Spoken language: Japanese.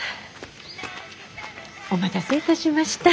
お待たせいたしました。